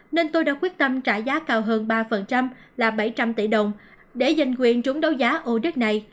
nên tôi đã quyết tâm trả giá cao hơn ba là bảy trăm linh tỷ đồng để giành quyền trúng đấu giá ô đất này